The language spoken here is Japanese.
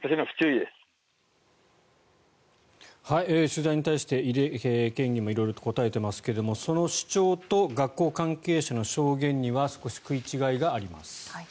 取材に対して井手県議も色々と答えていますがその主張と学校関係者の証言には少し食い違いがあります。